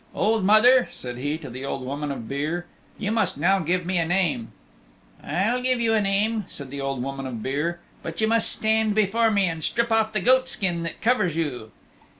"Old Mother," said he, to the Old Woman of Beare. "You must now give me a name." "I'll give you a name," said the Old Woman of Beare, "but you must stand before me and strip off the goatskin that covers you."